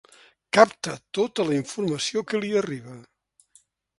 Capta tota la informació que li arriba.